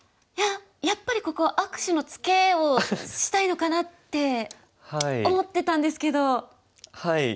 いややっぱりここ握手のツケをしたいのかなって思ってたんですけど。